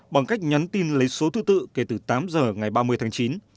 bằng cách nhắn tin lấy số thứ tự kể từ tám giờ ngày ba mươi tháng chín